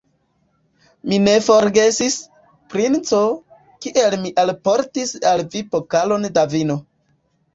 Vi ne forgesis, princo, kiel mi alportis al vi pokalon da vino.